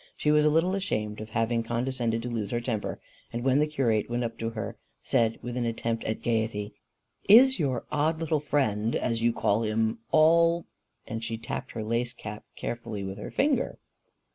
She was a little ashamed of having condescended to lose her temper, and when the curate went up to her, said, with an attempt at gaiety: "Is your odd little friend, as you call him, all ?" And she tapped her lace cap carefully with her finger.